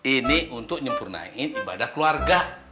ini untuk nyempurnain ibadah keluarga